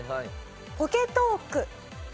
ポケトーク。